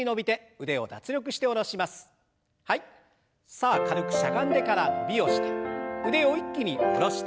さあ軽くしゃがんでから伸びをして腕を一気に下ろして。